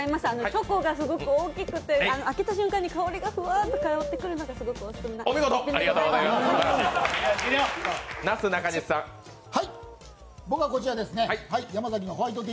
チョコがすごく大きくて開けた瞬間に香りがすごく香ってくるのがオススメです。